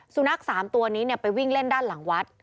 สุนัข๓ตัวนี้ไปวิ่งเล่นด้านหลังวัด